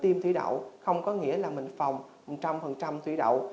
tiêm thủy đậu không có nghĩa là mình phòng một trăm linh thủy đậu